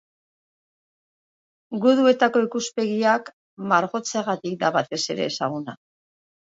Guduetako ikuspegiak margotzeagatik da batez ere ezaguna.